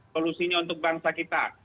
solusinya untuk bangsa kita